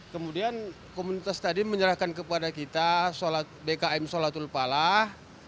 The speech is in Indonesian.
kemudian komunitas tadi menyerahkan kepada kita bkm salatul falah